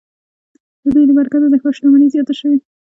د دوی له برکته د ښار شتمني زیاته شوې.